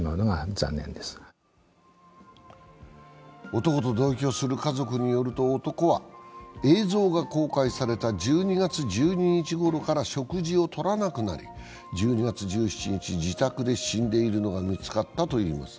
男と同居する家族によると、男は映像が公開された１２月１２日ごろから食事をとらなくなり１２月１７日、自宅で死んでいるのが見つかったといいます。